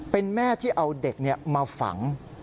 เป็นแม่ที่เอาเด็กมาฝัง